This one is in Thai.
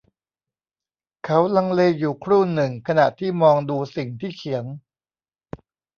เขาลังเลอยู่ครู่หนึ่งขณะที่มองดูสิ่งที่เขียน